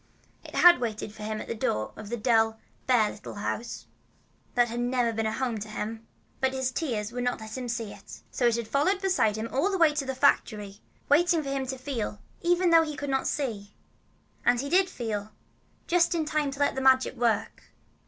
It had waited for him at the door of the dull, bare little house that had never been home to him, but his tears would not let him see it. So it had followed along beside him all the way to the factory, waiting for him to feel, even if he could not see. And he did feel, just in time to let the Magic work.